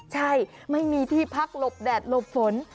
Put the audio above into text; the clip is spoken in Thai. ใช่ไม่มีที่พักหลบแดดหลบฝน